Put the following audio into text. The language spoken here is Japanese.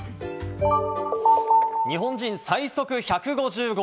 日本人最速１５０号！